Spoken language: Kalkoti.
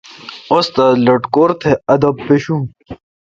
استاد لٹکور تھ ادب مشو۔